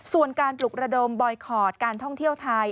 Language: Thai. ส่วนการปลุกระดมบอยคอร์ดการท่องเที่ยวไทย